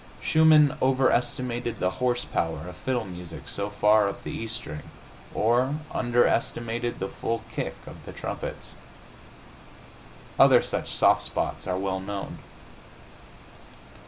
Schumann overestimated the horsepower of fiddle music so far up the E string or underestimated the full kick of the trumpets.... Other such soft spots are well known.